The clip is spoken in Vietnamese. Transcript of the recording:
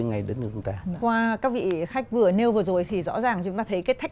ngay đến nước ta